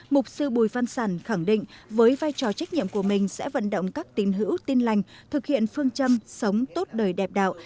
mục sư bùi văn sản khẳng định với vai trò trách nhiệm của mình sẽ vận động các tín hữu tin lành thực hiện phương châm sống tốt đời đẹp đạo